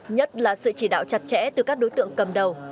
nhất là sự chỉ đạo chặt chẽ từ các đối tượng cầm đầu